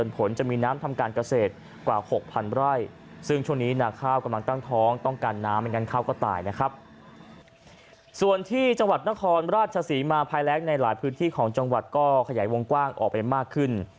ส่วนที่จังหวัดนครราชศรีมาภายแรงในหลายพื้นที่ของจังหวัดก็ขยายวงกว้างออกไปมากขึ้น